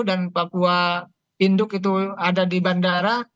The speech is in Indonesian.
dan papua induk itu ada di bandara